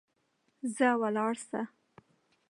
ځه ولاړ سه.